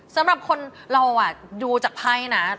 สำหรับคนเราดูจากไพ่นะ